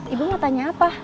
ibu mau tanya apa